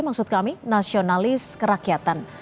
maksud kami nasionalis kerakyatan